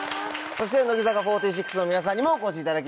そして乃木坂４６の皆さんにもお越しいただきました。